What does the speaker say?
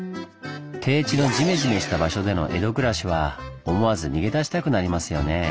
低地のじめじめした場所での江戸暮らしは思わず逃げ出したくなりますよねぇ。